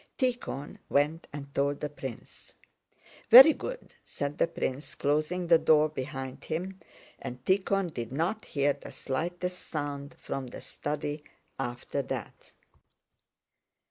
Tíkhon went and told the prince. "Very good!" said the prince closing the door behind him, and Tíkhon did not hear the slightest sound from the study after that.